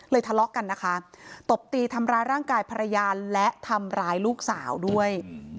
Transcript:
ทะเลาะกันนะคะตบตีทำร้ายร่างกายภรรยาและทำร้ายลูกสาวด้วย